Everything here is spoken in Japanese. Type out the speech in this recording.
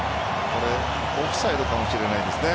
これオフサイドかもしれないですね。